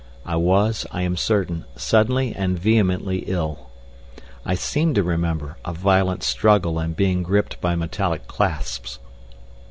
I was, I am certain, suddenly and vehemently ill. I seem to remember a violent struggle and being gripped by metallic clasps....